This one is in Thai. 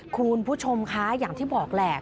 คุณผู้ชมคะอย่างที่บอกแหละ